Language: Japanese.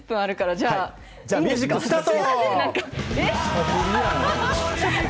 じゃあ、ミュージックスタート。